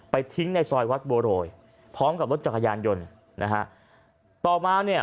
ทิ้งในซอยวัดบัวโรยพร้อมกับรถจักรยานยนต์นะฮะต่อมาเนี่ย